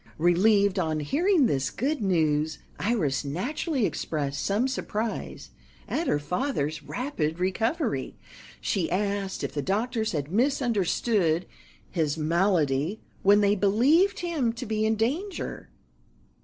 Relieved on hearing this good news, Iris naturally expressed some surprise at her father's rapid recovery. She asked if the doctors had misunderstood his malady when they believed him to be in danger.